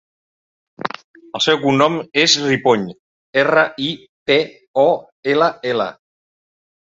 El seu cognom és Ripoll: erra, i, pe, o, ela, ela.